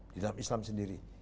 di dalam islam sendiri